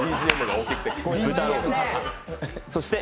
ＢＧＭが大きくて。